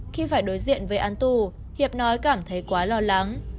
khi phải đối diện với an tu hiệp nói cảm thấy quá lo lắng